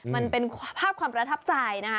มันเป็นภาพความประทับใจนะคะ